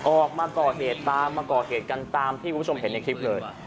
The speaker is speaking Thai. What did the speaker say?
ออกมาก่อเหตุตามมาก่อเหตุกันตามที่คุณผู้ชมเห็นในคลิปเลย